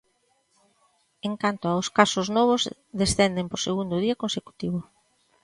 En canto aos casos novos, descenden por segundo día consecutivo.